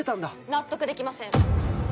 納得できません。